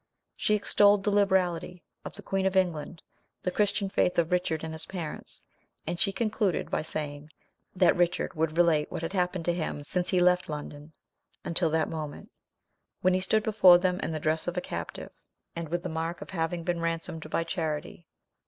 She extolled the liberality of the queen of England, the Christian faith of Richard and his parents, and she concluded by saying, that Richard would relate what had happened to him since he left London until that moment, when he stood before them in the dress of a captive, and with the mark of having been ransomed by charity.